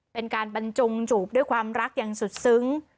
เป็นการบรรจงจูบด้วยความรักอย่างสุดซึ้ง